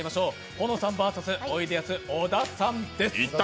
保乃さんＶＳおいでやす小田さんです。